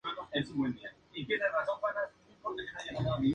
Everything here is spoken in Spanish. Desde entonces es presidente honorario vitalicio del Grupo.